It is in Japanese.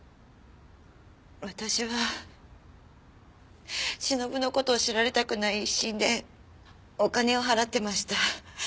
私はしのぶの事を知られたくない一心でお金を払ってました。